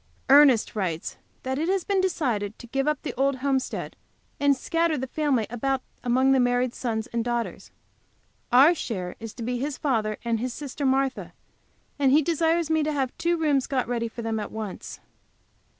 Ernest writes that it has been decided to give up the old homestead, and scatter the family about among the married sons and daughters. Our share is to be his father and his sister Martha, and he desires me to have two rooms got ready for them at once.